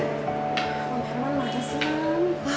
oh bener bener makasih